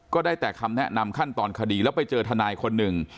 ได้แต่คำแนะนำขั้นตอนคดีแล้วไปเจอทนายคนหนึ่ง